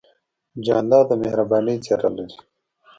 جانداد د مهربانۍ څېرہ لري.